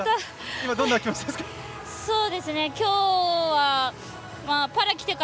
今、どんなお気持ちですか？